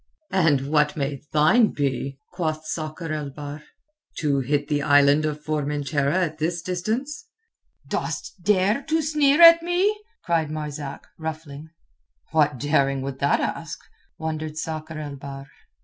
"And what may thine be?" quoth Sakr el Bahr. "To hit the Island of Formentera at this distance?" "Dost dare to sneer at me?" cried Marzak, ruffling. "What daring would that ask?" wondered Sakr el Bahr.